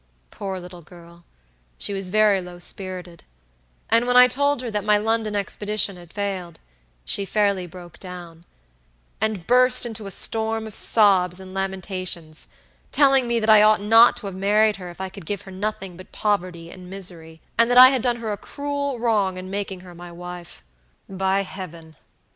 Poor little girl, she was very low spirited; and when I told her that my London expedition had failed, she fairly broke down, and burst in to a storm of sobs and lamentations, telling me that I ought not to have married her if I could give her nothing but poverty and misery; and that I had done her a cruel wrong in making her my wife. By heaven!